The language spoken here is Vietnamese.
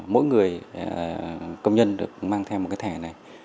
mỗi người công nhân được mang theo một cái thẻ này